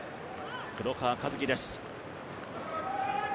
黒川和樹です。